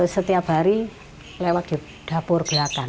setiap hari lewat di dapur belakang